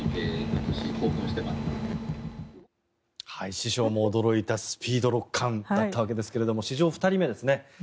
師匠も驚いたスピード六冠だったわけですが史上２人目ですね。